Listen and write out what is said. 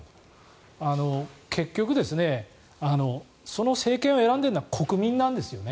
結局、その政権を選んでいるのは国民なんですよね。